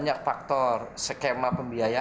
ini kan yang sedang dibicarakan tuh bukan pembiayaan